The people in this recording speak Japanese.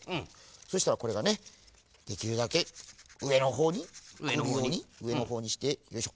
そしたらこれがねできるだけうえのほうにくるようにうえのほうにしてよいしょ。